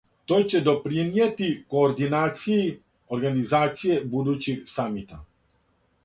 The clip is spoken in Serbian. То ће допринијети у координацији организације будућих самита.